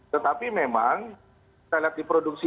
tetapi memang saya lihat diproduksi